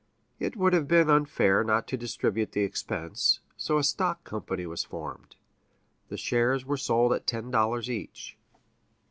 It would have been unfair not to distribute the expense, so a stock company was formed, and shares were sold at ten dollars each.